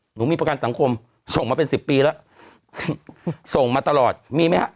หนูมีประกันสังคมส่งมาเป็นสิบปีแล้วส่งมาตลอดมีไหมฮะ